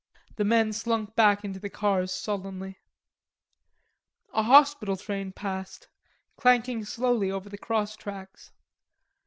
The men slunk back into the cars sullenly. A hospital train passed, clanking slowly over the cross tracks.